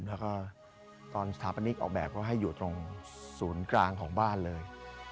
แล้วก็ตอนสถาปนิกออกแบบก็ให้อยู่ตรงศูนย์กลางของบ้านเลย